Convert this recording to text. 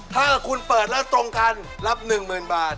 ถ้าคุณเปิดแล้วตรงกันรับ๑๐๐๐บาท